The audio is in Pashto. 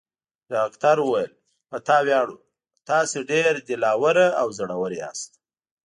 ډاکټر وویل: په تا ویاړو، تاسي ډېر دل اور او زړور یاست.